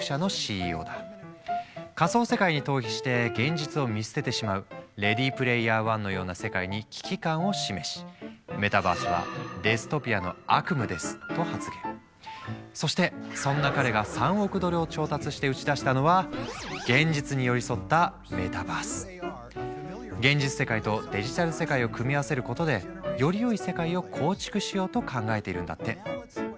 仮想世界に逃避して現実を見捨ててしまう「レディ・プレイヤー１」のような世界に危機感を示しそしてそんな彼が３億ドルを調達して打ち出したのは現実世界とデジタル世界を組み合わせることでよりよい世界を構築しようと考えているんだって。